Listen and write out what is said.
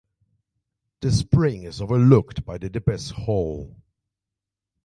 The spring is overlooked by the Dipper's Hall.